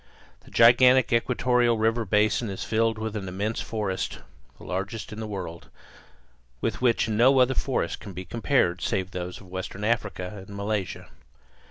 The gigantic equatorial river basin is filled with an immense forest, the largest in the world, with which no other forest can be compared save those of western Africa and Malaysia.